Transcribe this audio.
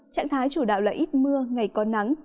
trạng thái chủ đạo là ít mưa ngày có nắng